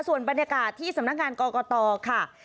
ส่วนบรรยากาศที่สำนักงานกรกตค่ะ